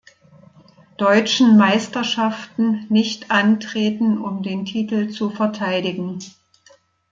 Deutschen Meisterschaften nicht antreten, um den Titel zu verteidigen.